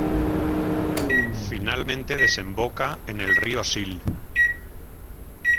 Finalmente desemboca en el río Sil.